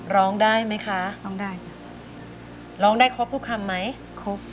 ร้องได้ไหมคะร้องได้ค่ะร้องได้ครบทุกคำไหมครบ